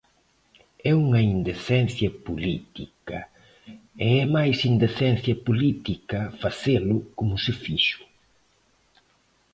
É unha indecencia política, e é máis indecencia política facelo como se fixo.